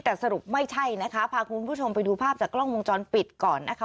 แต่สรุปไม่ใช่นะคะพาคุณผู้ชมไปดูภาพจากกล้องวงจรปิดก่อนนะคะ